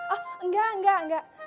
oh enggak enggak enggak